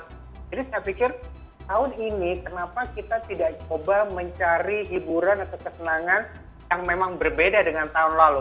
jadi saya pikir tahun ini kenapa kita tidak coba mencari hiburan atau kesenangan yang memang berbeda dengan tahun lalu